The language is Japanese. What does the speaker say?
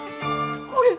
これ。